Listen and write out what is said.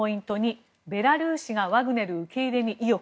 ベラルーシがワグネル受け入れに意欲。